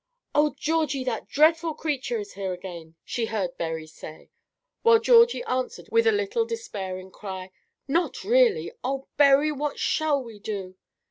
"Oh, Georgie, that dreadful creature is here again," she heard Berry say, while Georgie answered with a little despairing cry, "Not really! oh, Berry, what shall we do?"